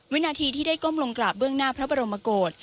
วินาทีที่ได้ก้มลงกราบเบื้องหน้าพระบรมโกศ